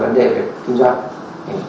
vấn đề về kinh doanh